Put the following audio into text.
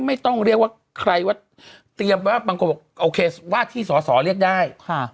เรียกว่าใครว่าเตรียมว่าบางคนบอกโอเคว่าที่สอสอเรียกได้